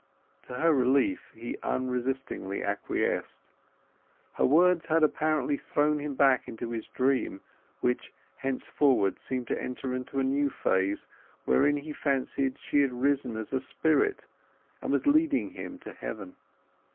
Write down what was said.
To her relief, he unresistingly acquiesced; her words had apparently thrown him back into his dream, which thenceforward seemed to enter on a new phase, wherein he fancied she had risen as a spirit, and was leading him to Heaven.